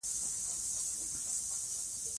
د مېلو په ورځو کښي خلک له کارو څخه رخصتي اخلي.